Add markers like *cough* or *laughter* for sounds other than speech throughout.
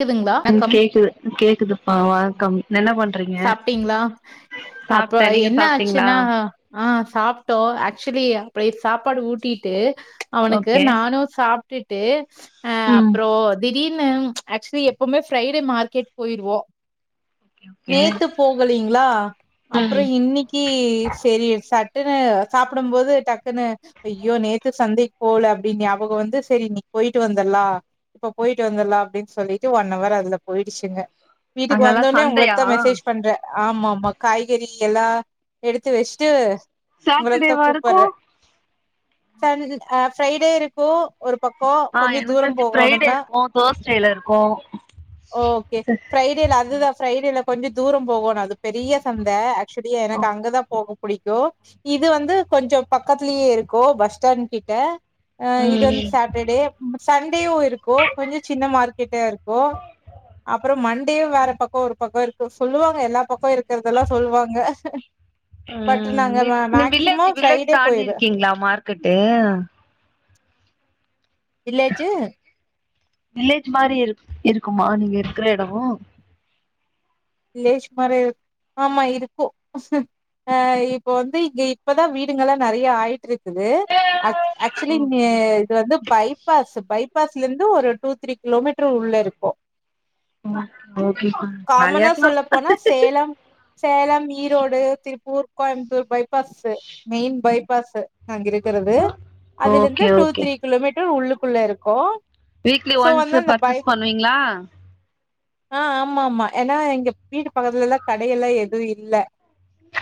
கேக்குதுங்களா ம் வணக்கம் கேக்குது கேக்குதுப்பா வணக்கம் என்ன பண் சாப்ட்டீங்ளா அப்ப நீங்க என்ன சாப்ட்டீங்களா ஆச்சுன்னா ஆ சாப்ட்டோ ஆக்சுலி அப்டே சாப்பாடு ஊட்டிட்டு அவனுக்கு ஓகே நானு சாப்ட்டுட்டு அ ம் அப்ரோ திடீர்னு ஆக்சுலி எப்புமே ஃப்ரைடே மார்க்கெட் போய்டுவோ ஓகே நேத்து போகலீங்ளா அப்ரோ ம் இன்னிக் க்கி செரி ஸட்டுனு சாப்டும் போது டக்குனு ஐயோ நேத்து சந்தைக் போல அப்டின்னு ஞாபகோ வந்து சரி இன்னிக் போயிட்டு வந்துர்லா இப்ப போயிட்டு வந்துட்லா அப்டின் சொல்லிட்டு ஒன் அவர் அதுல போயிடிச்சிங்க வீட்டுக்கு அங்கல்லா வந்தோனே உங்களுக் சந்தையா பண்றே ஆமா ஆமா காய்கறி எல்லா எடுத்து வெச்டு உங்களுக்த்தா சாட்டர்டேவா இருக்கு கூப்பற்றே சன் ஆ ஃப்ரைடே இருக்கு ஒரு பக்கோ கொஞ்சோ தூரோ போகோனு ம கோ ஸ்டைல்ல இருக்கு ஓகே ஃப்ரைடேல அதுதா ஃப்ரைடேல கொஞ்ச தூர போகணு அது பெரிய சந்த சரியா ஓ எனக்கு அங்கதா போகு புடிக்கு இது வந்து கொஞ்ச பக்கத்தலயே இருக்கு பஸ் ஸ்டாண்ட் கிட்ட அ இது வந்து ம் சாட்டர்டே சண்டேயு இருக்கு கொஞ்ச சின்ன மார்க்கெட்டா இருக்கு அப்புறம் மண்டேயு வேற பக்க ஒரு பக்கோ இருக்கு சொல்லுவாங்க எல்லா பக்கோ இருக் கற்தெல்லா சொல்வாங்க உம் நீ நீ வில்லேஜ் வில்லேஜ் ஃப்ரைடே தாண்டி போயிருவ இருக்கீங்ளா மார்க்கட்டு வில்லேஜ்ஜு வில்லேஜ் மாரி இருக் இருக்குமா நீங்க இருக்கிற எடோ லேஷ்மறே ஆமா இருக்கு அ இப்ப வந்து இங்க இப்பதான வீடுங்கல்லா நெறய ஆய்ட்டு இருக்குது ஆக் ஆக்சுவலி ஓகே இது வந்து பைபாஸ் பைபாஸ்லிந்து ஒரு டூ த்ரீ கிலோமீட் அ ஓகே கா காமனா வேலயாருக்கலா சொல்ல போனா சேலம் சேலம் ஈரோடு திருப்பூர் கோயம்புத்தூர் பைபாஸ்ஸஸு மெயின் பைபாஸ்ஸு நாங்க இருக்கறது அதுல இருந்து okay two okay three kilometre உள்ளுக்குள்ள இருக்கோ வீக்லி சோ ஒன்ஸ் வந்து அந்த பை பர்ச்சேஸ் பண்ணுவீங்ளா ஆ ஆமா ஆமா ஏனா எங்க வீட்டு பக்கத்துலல்லா கடையெல்லா எதுவு இல்ல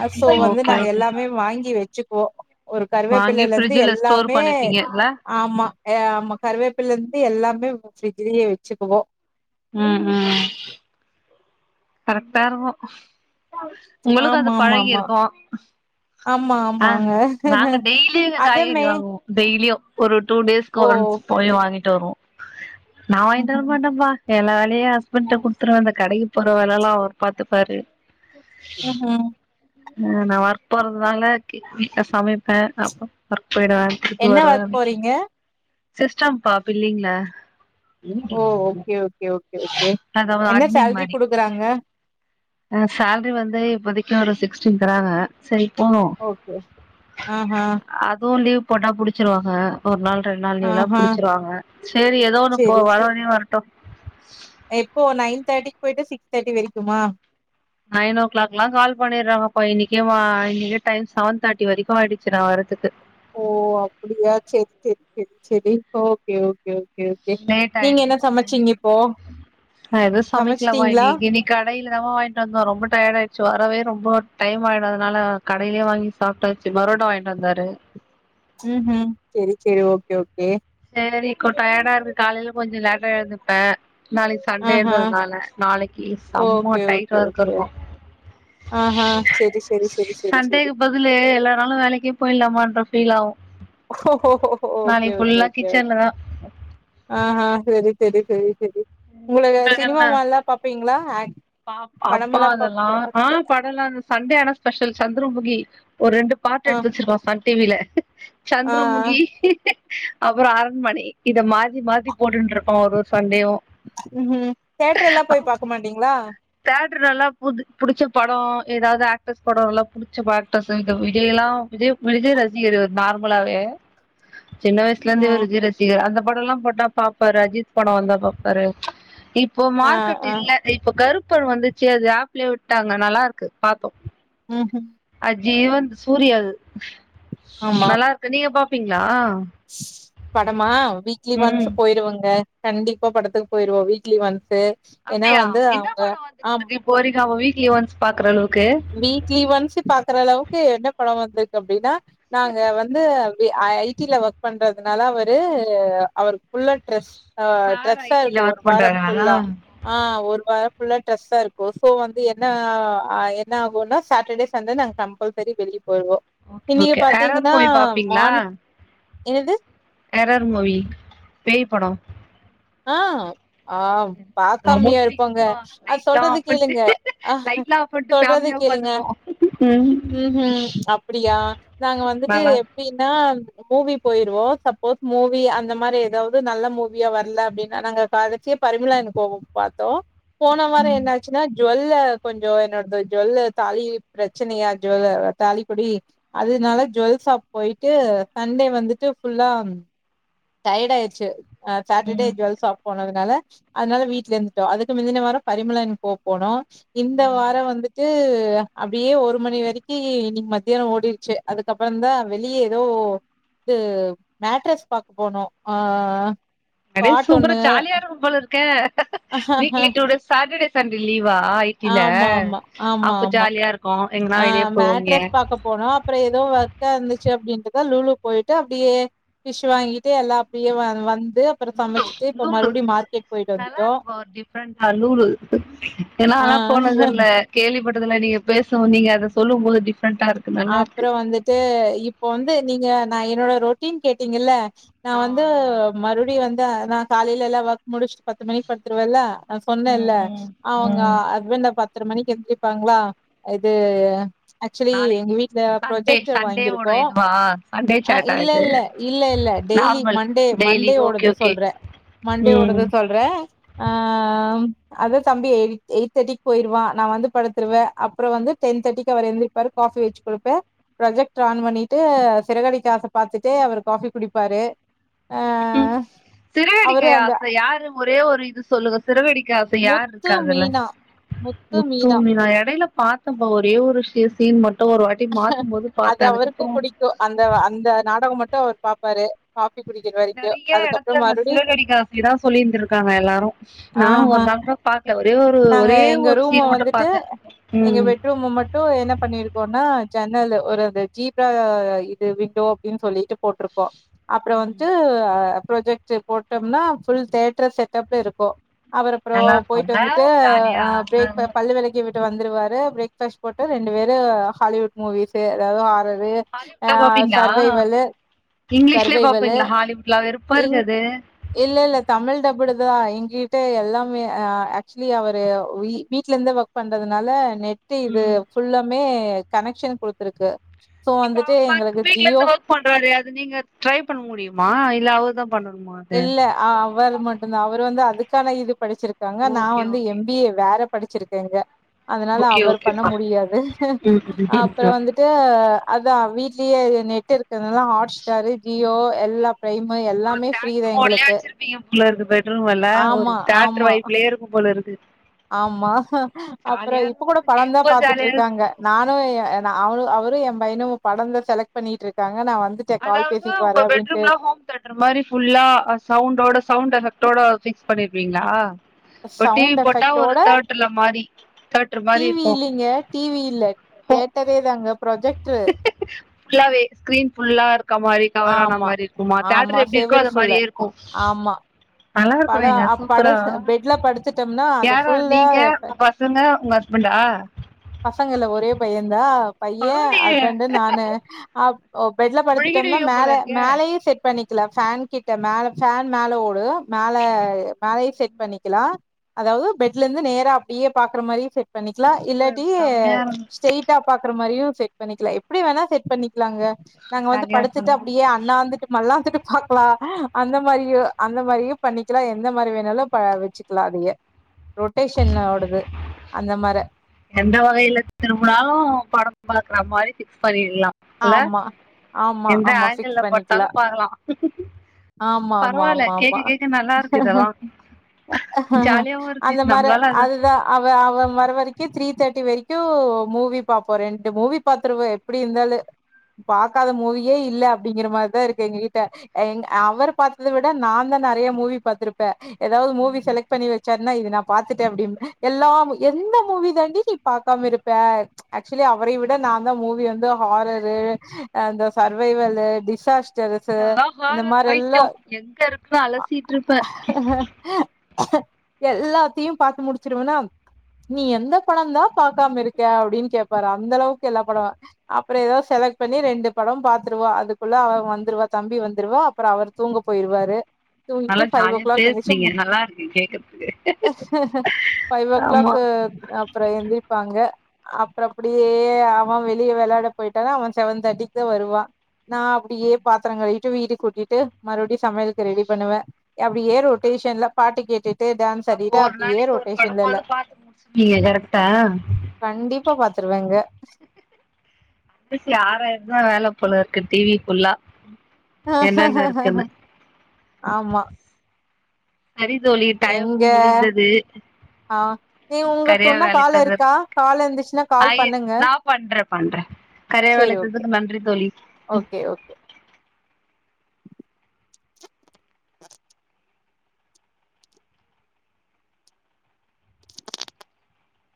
அ சோ வந்து ஓகே நாங்க ஓகே எல்லாமே வாங்கி வெச்சுக்குவோ ஒரு வாங்கி கருவேப்பிள்ளலந்து ஃப்ரிட்ஜ்ல ஸ்டோர் எல்லாமே பண்ணிப்பீங்கல்ல ஆமா ஏ ஆமா கருவேப்பிளந்து எல்லாமே ஃப்ரிட்லயே வெச்சுக்குவோ ம் ம் கரெக்டா இருக்கூ உங்களுக்கு அது ஆமாமாமா. பழகிருக்கூ ஆமா, ஆ ஆமா. ஆமா, ஆமாங்க. நாங்க டெய்லியு இங்க காய்கறி அதுமே வாங்குவோ டெய்லியு ஒரு டூ டேஸ்கு ஓ! ஒன்ஸ் போயி வாங்கிட்டு வருவோ நா வாங்ட்டு வர ம்ஹ்ம். மாட்டேப்பா எல்லா வேலயு எ ஹஸ்பண்ட்ட குடுத்துருவே அந்த கடைக்கு போற வேலல்லா அவர் பாத்துப்பாரு ம்ஹ்ம். ஆ நா வர்க் போறதுனால கே வீட்ல சமைப்பே அப்ப ஒர்க் போயிடுவே திருப்பி என்ன வருவே ஒர்க் வீட்ல போறீங்க? சிஸ்டம்பா பிள்ளிங்ல ஓ ஓகே ஓகே ஓகே ஓகே அதாவது என்ன அட்மின் சேல்ரி மாரி குடுக்குறாங்க அ சேல்ரி வந்து இப்போதைக்கு ஒரு சிக்ஸ்டீன் தராங்க சரி போது ஓகே ஆ ஹா அதுவு லீவ் போட்டா புடிச்சிருவாங்க ஒரு நாள் ரெண் நாள் லீவ்ல்லா ஆஹா. புடிச்சிருவாங்க செரி எதோ ஒண்ணு போ சரி, வர சரி. வரயு வரட்டு எப்போ நைன் தேட்டிக் போய்ட்டு சிக்ஸ் தேட்டி வெரக்குமா நைன் ஓ கிளாக்லா கால் பண்ணிறாங்கப்பா இன்னிக்கே வா இன்னிக்கே டைம் சவன் தேட்டி வரைக்கூ ஆயிடுச்சி நா வரதுக்கு ஓ அப்புடியா செரி செரி செரி செரி okay okay okay okay late நீங்க என்ன ஆயிடுது சமச்சீங்க இப்போ நா எதுவு சமைக்கலமா சமச்டீங்ளா இன்னைக்கு இன்னைக்கு கடையில தாமா வாய்ன்ட்டு வந்தோ ரொம்ப டயர்ட் ஆயிடுச்சு வரவே ரொம்ப டைம் ஆயிடு அதனால கடையிலேயே வாங்கி சாப்ட்டாச்சு பரோட்டா வாய்ன்ட்டு வந்தாரு ம் ஹும் செரி செரி ஓகே ஓகே சேரி இக்கோ டயர்டா இருக்கு காலையில கொஞ்சொ லேட்டா எழுந்துப்ப நாளைக்கி ஆஹா சண்டேன்றதுனால நாளைக்கி செம்ம டைட்டா ஒர்க் இருக்கூ ஆ ஹா செரி செரி செரி செரி செரி சன்டேக்கு பதிலு எல்லா நாலு வேலைக்கே போய்லாமான்ற ஃபீல் ஆவு ஒஹோ ஹோ ஹோ ஹோ ஓகே ஓகே ஓகே கிச்சன்ல தா ஆஹா செரி செரி செரி செரி உங்களுகு உங்களுக்கு சினிமா என்ன மால்லா பாப்பீங்ளா படமல்லா பாப் போ ல்ல நானு சண்டே ஆனா ஸ்பெஷல் சந்திரமுகி ஒரு ரெண்டு பார்டு ஆ எடுத்து வச்சிருக்கோ சன் டி வில ஆ சந்தரமுகி அப்பறொ அரண்மனை இத மாத்தி மாத்தி போட்டுன்ருப்போ ஒரு ஒரு சண்டேவு ம் ஹும் தேட்டர் எல்லாம் போய் பாக்கமாட்டீங்ளா தேட்ருலல்லாம் புது புடிச்ச படொ ஏதாவ்து ஆக்ட்ரஸ் படொல்லா புடிச்ச ப ஆக்ட்ரஸு இந்த விஜயெல்லாம் விஜய விஜய் ரசிகர் இவர் நார்மலாவே சின்ன வயசுல இருந்து இவர் ம் விஜய் ரசிகர் அந்த படொல்லாம் போட்டாப் பாப்பாரு அஜித் படொ வந்தா பாப்பாரு இப்போ ஆ மார்க்கெட் ஆ இல்ல இப்ப கருப் பன் வந்துச்சு அது ஆப்லே விட்டாங்க நல்லா இருக்கு பாத்தோ ம் ஹும் அஜீவன்து சூரியாது ஆமா நல்லாருக்கு நீங்க பாப்பீங்ளா படமா வீக்லி ஒன்ஸு போயிருவங்க கண்டிப்பா படத்துக்கு போயிருவோ வீக்லி ஒன்ஸ்ஸு ஏன்னா வந்து அவுங்க ஆம் போரிங்காம வீக்லி ஒன்ஸ் பாக்குற அளவுக்கு வீக்லி ஒன்ஸு பாக்குற அளவுக்கு என்ன படம் வந்திருக்கு அப்டின்னா நாங்க வந்து வே ஐ டி ல ஒர்க் பண்றதுனால அவரு அவருக்கு புல்லா ட்ரெஸ் ஆ சார் ட்ரெஸ்ஸா ஐடில இருக்கூ ஒரு ஒர்க் வாரம் பண்றாரா ஃபுல்லா ஆ, ஒரு வாரம் ஃபுல்லா ட்ரெஸ்ஸா இருக்கு சோ வந்து என்ன ஆ, என்ன ஆகுன்னா சாட்டர்டே, சண்டே நாங்க கம்பல்சரி வெளியே போய்டுவோ ஓகே இன்னைக்கு ஓகே எரர் பாத்தீங்கன்னா மூவி பாப்பீங்களா மார்னிங், என்னது டெரர் மூவி பேய் படோ ஆ, ஆம் ரொம்ப பாக்காமியா இருப்பாங்க, பிடிக்கும்ப்பா அது லைட்லாம் சொல்றத ஆஃப் கேளுங்க, பண்ணிட்டு லைட்லாம் ஆஃப் பண்ணிட்டு சொல்றத ஃபேமிலியா கேளுங்க உட்காந்துப்போம் ம்ஹூம் அப்டியா நாங்க வந்துட்டு நல்லா வினா மூவி போயிருவோம் சப்போஸ் மூவி அந்த மாரி ஏதாவது நல்ல மூவியா வரல அப்டினா நாங்க காடைசியா பரிமளா அன் கோ பாத்தோ, போன வாரோ என்ன ஆச்சுன்னா ஜுவல்ல கொஞ்சோ என்னோடது ஜுவல்ல தாலி பிரச்சனையா ஜுவல்ல தாலிக்கொடி அதுனால ஜுவல்ஷாப் போயிட்டு சண்டே வந்துட்டு ஃபுல்லா டையர்ட் ஆயிடுச்சு ஆ சாட்டர்டே இருக்கும். ஜுவல்ஷாப் போனதுனால அதனால வீட்ல இருந்துட்டோ, அதுக்கு முந்தின வாரம் பரிமளா அன் கோ போனோ, இந்த வார வந்துட்டு அப்டியே ஒரு மணி வரைக்கி இன்னைக்கி மத்தியான ஓடிருச்சு அதுக்கப்பறந்தா வெளியே ஏதோ இது மேட்ரஸ் பாக் போனோ ஆ நெறைய சூப்பரா காட்டொன்னு ஜாலியா இருக்கும்போல இருக்கே, weekly two days Saturday Sunday லீவா டில ஆமா ஆமா ஆமா அப்ப ஆமா ஜாலியா இருக்கு, எங்கன்னா ஆ வெளியே போவீங்க மேட்ரஸ் பாக்க போனோ அப்பறோ ஏதோ ஒர்க்கா இருந்துச்சு அப்டின்ட்டுதா லூலூ போயிட்டு அப்டியே ஃபிஷ் வாங்கிட்டு எல்லா அப்டியே வ வந்து அப்பறோ லூலு சமைச்சிட்டு இப்ப மறுபடியு மார்க்கெட் போயிட்டு வந்துட்டோ, ஃப்ரண்டா லூலூ ஏன்னா ஆ நான்லா போனதுல்ல கேள்விப்பட்டதும் இல்ல நீங்க பேசுவு நீங்க அத சொல்லும்போது டிஃப்ரெண்டா இரு அப்றோ வந்துட்டு இப்போ வந்து நீங்க நா என்னோட ரொட்டீன் கேட்டீங்கல்ல நா ஆ, வந்து ஆ, ஆ. மறுபடியு வந்த நா காலைல எல்லா ஒர்க் முடிச்சுட்டு பத்து மணிக்கு படுத்துருவேல்ல நா ம், சொன்னேன்ல்ல ம், அவங்க ம். ஹஸ்பண்ட ப த்தர மணிக்கு எந்திரிப்பாங்களா இது ஆக்சுவலி எங்க நாளைக்கு வீட்ல சண்டே ப்ரொஜெக்டர் சண்டேவோட வாங்கியிருக்கோ இதுவா சண்டே அ சேட்டா இல்ல இது இல்ல, இல்ல இல்ல daily normal Monday daily Monday okay ஓடது ஓகே சொல்றே மண்டே ம் ஓடத சொல்ற ஆ அதா தம்பி எய்ட் எய்ட்தேர்ட்டிக்கு போயிருவா நா வந்து படுத்துருவே அப்பறம் வந்து டென் தேர்ட்டிக்கு அவர் எந்திரிப்பாரு காஃபி வச்சு குடுப்ப, ப்ரொஜெக்டர் ஆன் பண்ணிட்டு சிறகடிக்க ஆசை பாத்துட்டே அவரு காஃபி குடிப்பாரு ஆ ம்கும் சிறகடிக்க அவரு அந்த ஆசை யாரு ஒரே ஒரு இது சொல்லுங்க சிறுகடிக்க ஆசை யாரு இருக்கா அதுல டா முத்து மீனா எடைல பாத்தப்பா ஒரே ஒரு சீ சீன் மட்டு ஒரு வா ட்டி மாத்தும்போது பாத்த அதுக்கப்பறோ சோ அந்த அந்த நாடகம் மட்டு அவரு பாப்பாரு காஃபி குடிக்கிற வர நெறைய எடத்துல அங்க சிறகடிக்கஆசைதா சொல்லிருந்திருக்காங்க எல்லாரு, நானு ஆஹா ஒரு நாள் கூட பாக் ல ஒரே ஒரு நாங்க ஒரே எங்க ஒரு ரூம சீன் மட்டு பாத்த, ம் டு என்ன பண்ணிருக்கோனா ஜன்னலு ஒரு அந்த ஜீப்ரா இது விண்டோ அப்டின்னு சொல்லிட்டு போட்ருக்கோ அப்றோ வந்துட்டு அ ப்ரஜெக்டர் போட்டோம்னா ஃபுல் தேட்டர் செட்டப்ல இருக்கு அவர் அப்றோ நல்லா போயிட்டு இருக்கும்ல வந்துட்டு அ ஜாலியா பிரேக் ஃப பல் வெளக்கி விட்டு வந்துருவாரு பிரேக் ஃபாஸ்ட் போட்டு ரெண்டு பேர் ஹாலிவுட் மூவிஸ் எதாவது ஹாரரு ஆ சர்வைவல்லு இங்கிலீஷ்லே பாப்பீங்ளா ஹாலிவுட்லா வெறுப்பா இங் இருக்காது இல்ல இல்ல தமிழ் டப்புடுதா எங்ககிட்ட எல்லாமே அ அட் ஆக்சுவலி அவரு வீர வீட்லருந்தே ஒர்க் பண்றதுனால நெட்டு இது ம் ஃபுல்லாமே கனெக்ஷன் குடுத்துருக்கு சோ இப்ப வந்துட்டு அவர் ஒர்க் எங்களுக்கு வீட்ல ஜியோ இருந்து ஒர்க் பண்றாரு அது நீங்க ட்ரை பண்ண முடியுமா இல்ல அவர்தா பண்ணணுமா அது இல்ல அவர் மட்டுந்தா அவர் வந்து அதுக்கான இது படிச்சிருக்காங்க நா ஓகே வந்து ஓகே எம் பி ஏ வேறப் படிச்சிருக்கேங்க அதுனால ஓகே அவர் பண்ண ஓகேப்பா முடியாது அப்பறோ வந்துட்டு ட்டு அதா வீட்லயே நெட்டு இருக்குறதுனால ஹாட்ஸ் ஸ்டாரு ஜியோ எல்லாப் ப்ரைமு ஒரு எல்லாமே ஃப்ரீதா தேட்டர் மோட்லயே எங்களுக்கு வச்சிருப்பிங்க போல இருக்கு பெட்ரூம் மேல ஒரு ஆமா தேட்டரு ஆமா வைப்புலயே இருக்கும் போல இருக்கு ஆமா அப்பறோ ஜாலியா இப்ப இருக்கும் கூட அது படந்தா கேட்கும் போது ஜாலியா இருக்கு பாத்துட்ருக்காங்க நானு ஏ நா அவளு அவரு ஏ பையனு படந்தா செலக்ட் பண்ணிகிட்ருக்காங்க நா வந்துட் அதாவது உங்க பெட்ரூம்ல ஹோம் தேட்டரு மாரி ஃபுல்லா சவுண்டோட சவுண்ட் எபெக்டோட பிக்ஸ் பண்ணிருப்பீங்களா இப்ப டிவி சவுண்ட் போட்டா ஒரு எஃபெக்ட்டோட தேட்டுர்ல மாறி தேட்ரு டி மாரி வி இருக்கு இல்லைங்க டி வி இல்ல தேட்டரே தாங்க ப்ரொஜெக்ட்ரு ஃபுல்லாவே ஸ்கிரீன் ஃபுல்லா இருக்க மாரி கவர ஆன ஆமா மாரி இருக்குமா தேட்டரு ஆமா எப்டி இருக்கோ செவுரு அது ஃபுல்லு மாரியே இருக்கு ஆமா நல்லா இருக்கு படோ ஏங்க அ பட சூப்பரா பெட்ல படுத்துட்டம்னா அது யாராரு நீங்க ஃபுல்லா உங்க பசங் பசங்க உங்க ஹஸ்பண்டா பசங்கல்ல ஒரே பையன்ந்தா பையே பரவாயில்லையே ஹஸ்பண்டு நானு அப் ஓ பெட்ல படுத்துட்டம்னா முழுகிடுவீங்க மேல போல இருக்கே மேலயு செட் பண்ணிக் கெலா ஃபேன் கிட்ட மேல ஃபேன் மேல ஓடுதோ மேல மேலயு செட் பண்ணிக்கெலா அதாவது பெட்லருந்து நேரா அப்டியே பாக்குற மாரியு செட் பண்ணிக்கலா இல்ல செமையா இருக்கு ஸ்ட்ரெயிட்டா பாக்குற மாதிரியு செட் பண்ணிக்கலா எப்புடி வேணா செட் பண்ணிக்கலாங்க நாங்க வந்து ஜாலியா படுத்துட்டு இருக்கும்ல அப்டியே அந் அன்னாந்துட்டு மல்லாந்துட்டு பாக்லா அந்த மாரியு அந்த மாரியு பண்ணிக்கலா எந்த மாரி வேணாலு பா வெச்சுக் க்லா திய ரொட்டேஷன்ல ஓடுது அந்த மர எந்த வகையில திரும்புனாலு படம் பாக்குற மாரி பிக்ஸ் பண்ணிர்லாம் ஆமா ஆமா ஆமா பிக்ஸ் ஆங்கிள் பண்ணிக்கல போட்டாலு பாக்கலா ஆமா ஆமா பரவாயில்ல ஆமா கேக்க ஆமா கேக்க நல்லா இருக்கு இதெல்லா ஜாலியாவு இருக்கு அந்த மர நம்மளால அத அதுதா அவ அவெ வர வரைக்கு த்ரீ தேர்டி வரைக்கு மூவி பாப்போ ரெண்டு மூவி பாத்துருவோ எப்புடி இருந்தாலு பாக்காத மூவியே இல்ல அப்டிங்கிற மாதிரிதா இருக்கு எங்க கிட்ட எங் அவரு பாத்தத விட நாந்தா நெறையா மூவி பாத்துருப்பே எதாவது மூவி செலக்ட் பண்ணி வச்சாருன்னா இது நா பாத்துட்டே அப்புடிம்பே எல்லா மூ எந்த மூவி தாண்டி நீ பாக்காம இருப்பே ஆக்சுவலி அவரை விட நா தா மூவி வந்து ஹாரர் வேற அந்த சர்வைவலு டிசாஸ் டெருசு நாலா இந்த ஹாரர் மாரி எல்லா பைத்தியோ எங்க இருக்குன்னு அலசிட்டு இருப்பே எல்லாத்தையு பாத்து முடிச்சுருவனா நீ எந்த படந்தா பாக்காம இருக்க அப்டின்னு கேப்பாரு அந்த அளவுக்கு எல்லா படோ அப்பறோ எதாவது செலக்ட் பண்ணி ரெண்டு படமு பாத்துருவா அதுக்குள்ள அவர் வந்துருவார் தம்பி வந்துருவா அப்பறோ அவர் தூங்க போயிருவாரு தூங்கிட்டு நல்லா ஃபைவ் ஓ ஜாலியா க்ளாக் எந்துருச்சு பேசுனீங்க மு நல்லா இருக்கு கேக்குறதுக்கு பைவ் ஓ ஆமா க்ளாக்கு அப்பறோ எந்திரிப்பாங்க அப்பறோ அப்டியே அவெ வெளிய வெளையாட பொயிட் ட்டானா அவன் செவன் தேர்டிக்கு தா வருவா நா அப்டியே பாத்ரோ கழுவிட்டு வீடு கூட்டிட்டு மறுப்டி சமையலுக்கு ரெடி பண்ணுவே அப்டியே ரொட்டேஷன் ல பாட்டு கேட்டுட் அப்ப ஒரு நாளைக்கு ஒரு படம்மாது பாத்து முடிச்சுருப்பீங்க கரெக்டா கண்டிப்பா பாத்துருவேங்க *unintelligible* தா வேல போலருக்கு டிவி ஃபுல்லா என்னென்ன இருக்குன்னு ஆமா சரி தோழி டயம் எங்க முடிந்தது ஆ நீங்க ஒங்கள்ட்ட கரியா ஒன்னு கால் வேலைத்தது இருக்கா கால் இருந்துச்சுன்னா கால் ஆயி பண்ணுங்க நா பண்றே சேரி ஓகே *unintelligible* நன்றி தோழி ஓகே ஓகே